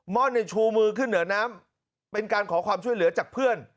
่อนในชูมือขึ้นเหนือน้ำเป็นการขอความช่วยเหลือจากเพื่อน